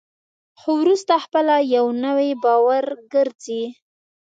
خو وروسته خپله یو نوی باور ګرځي.